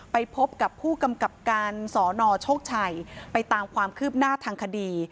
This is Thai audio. ไปพบกับผู้กำกับการสนโชคชัยไปตามความคืบหน้าทางคดี